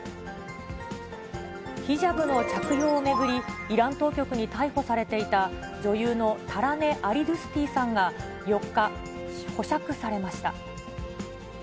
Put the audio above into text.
ヒジャブの着用を巡り、イラン当局に逮捕されていた女優のタラネ・アリドゥスティさんが、４日、保釈されました。